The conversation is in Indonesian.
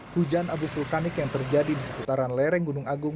hujan abu vulkanik yang terjadi di seputaran lereng gunung agung